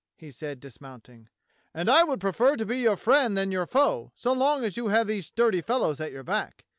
he said, dismounting. "And I would prefer to be your friend than your foe so long as you have these sturdy fellows at your back.